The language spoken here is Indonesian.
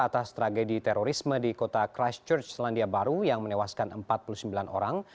atas tragedi terorisme di kota christchurch selandia baru yang menewaskan empat puluh sembilan orang